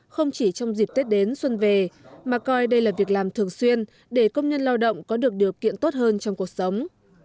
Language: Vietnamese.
không chỉ trong dịp tết đến xuân về mà coi đây là việc làm thường xuyên để công nhân lao động có được điều kiện tốt hơn trong cuộc sống